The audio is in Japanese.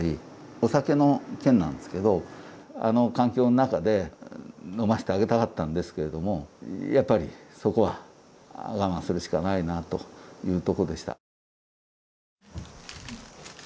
お酒の件なんですけどあの環境の中で飲ましてあげたかったんですけれどもやっぱりそこは我慢するしかないなというとこでした。